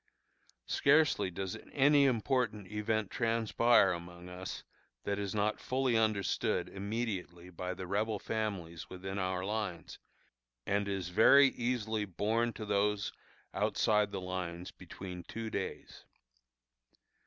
Scarcely does any important event transpire among us, that is not fully understood immediately by the Rebel families within our lines, and is very easily borne to those outside the lines between two days.